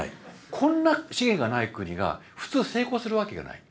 こんな資源がない国が普通成功するわけがない。